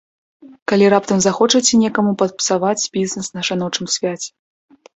Калі раптам захочаце некаму падпсаваць бізнэс на жаночым свяце.